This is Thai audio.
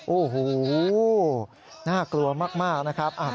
โอ้โหน่ากลัวมากนะครับ